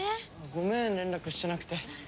ごめん連絡してなくて。